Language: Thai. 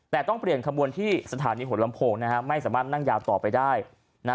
แต่ต้องเปลี่ยนขบวนที่สถานีหัวลำโพงนะฮะไม่สามารถนั่งยาวต่อไปได้นะ